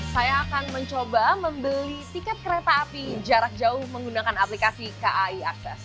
saya akan mencoba membeli tiket kereta api jarak jauh menggunakan aplikasi kai akses